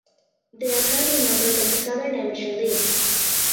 They are currently members of the Southern Amateur League.